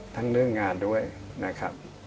เรื่องงานด้วยนะครับ